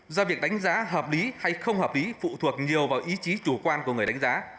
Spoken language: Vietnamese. do việc đánh giá hợp lý hay không hợp lý phụ thuộc nhiều vào ý chí chủ quan của người đánh giá